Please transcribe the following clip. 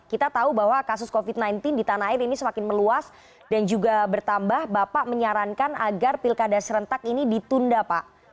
kita tahu bahwa kasus covid sembilan belas di tanah air ini semakin meluas dan juga bertambah bapak menyarankan agar pilkada serentak ini ditunda pak